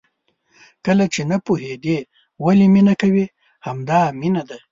کله چې نه پوهېدې ولې مینه کوې؟ همدا مینه ده.